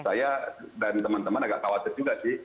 saya dan teman teman agak khawatir juga sih